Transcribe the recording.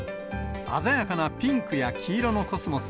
鮮やかなピンクや黄色のコスモス